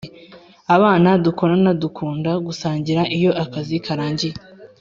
Abana dukorana dukunda gusangira iyo akazi karangiye